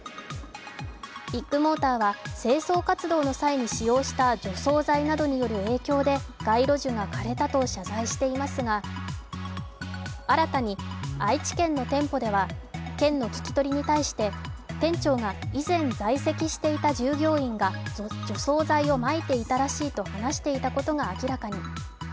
ビッグモーターは清掃活動の際に使用した除草剤などによる影響で街路樹が枯れたと謝罪していますが新たに愛知県の店舗では県の聞き取りに対して店長が以前在籍していた従業員が除草剤をまいていたらしいと話していたことが明らかに。